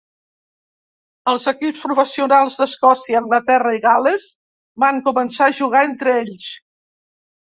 Els equips professionals d'Escòcia, Anglaterra i Gal·les van començar a jugar entre ells.